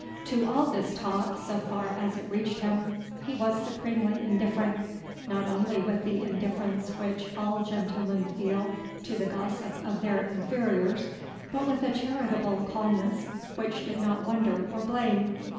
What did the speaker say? To all this talk, so far as it reached him, he was supremely indifferent, not only with the indifference which all gentlemen feel to the gossip of their inferiors, but with a charitable calmness which did not wonder or blame.